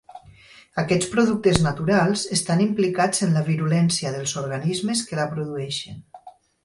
Aquests productes naturals estan implicats en la virulència dels organismes que la produeixen.